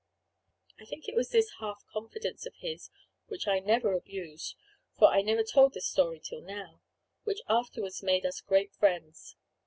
I think it was this half confidence of his, which I never abused, for I never told this story till now, which afterward made us great friends.